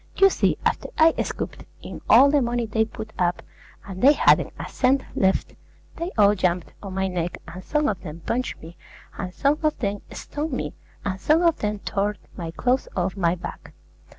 You see, after I scooped in all the money they put up, and they hadn't a cent left, they all jumped on my neck, and some of them punched me, and some of them stoned me, and some of them tore my clothes off my back.